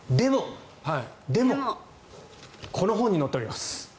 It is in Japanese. でも、この本に載っております。